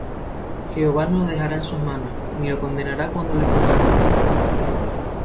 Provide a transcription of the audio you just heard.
Jehová no lo dejará en sus manos, Ni lo condenará cuando le juzgaren.